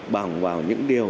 bằng vào những điều